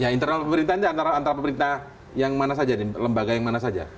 ya internal pemerintah itu antara pemerintah yang mana saja lembaga yang mana saja